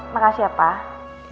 makasih ya pak